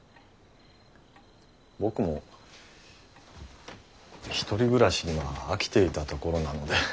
僕も１人暮らしには飽きていたところなので。